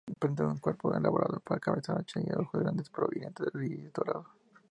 Presenta un cuerpo ovalado, cabeza ancha y ojos grandes, prominentes de iris dorado.